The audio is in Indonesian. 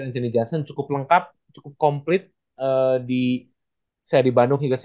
ini juga masuk kan buat